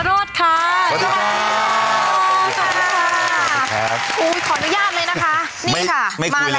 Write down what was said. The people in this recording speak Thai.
ขอต้อนรับขออนุญาตเลยนะคะนี่ค่ะไม่คุยเลยมาแล้วไม่คุยแล้ว